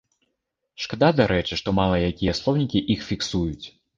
Шкада, дарэчы, што мала якія слоўнікі іх фіксуюць.